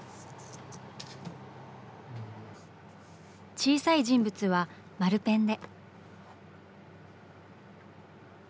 小さい人物は丸ペンで。